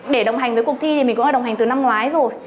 để đồng hành với cuộc thi thì mình cũng đã đồng hành từ năm ngoái rồi